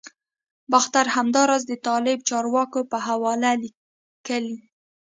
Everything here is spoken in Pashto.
باختر همداراز د طالب چارواکو په حواله لیکلي